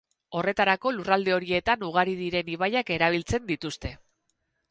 Horretarako lurralde horietan ugari diren ibaiak erabiltzen dituzte.